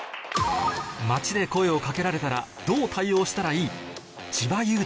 街で声を掛けられたらどう対応したらいい？